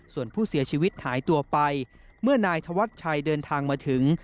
ส่วนผู้เสียชีวิตหายตัวไปเมื่อนายธวัชชัยเดินทางมาถึง